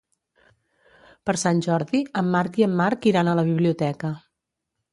Per Sant Jordi en Marc i en Marc iran a la biblioteca.